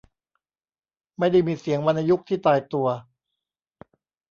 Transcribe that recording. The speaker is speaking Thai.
ไม่ได้มีเสียงวรรณยุกต์ที่ตายตัว